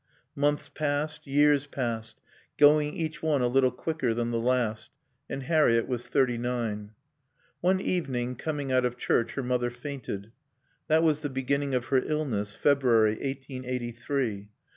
Months passed, years passed, going each one a little quicker than the last. And Harriett was thirty nine. One evening, coming out of church, her mother fainted. That was the beginning of her illness, February, eighteen eighty three.